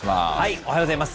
おはようございます。